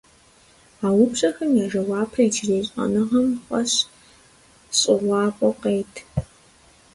А упщӀэхэм я жэуапыр иджырей щӀэныгъэм фӀэщ щӀыгъуафӀэу къет.